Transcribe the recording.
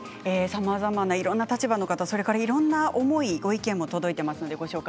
さまざまないろんな立場の方、そしていろんな思い、ご意見も届いています。